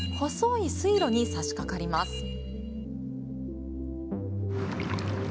細い水路にさしかかります。